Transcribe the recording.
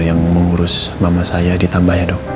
yang mengurus mama saya ditambah ya dok